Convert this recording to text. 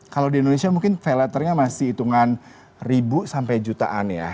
kalau di indonesia mungkin pay laternya masih hitungan ribu sampai jutaan ya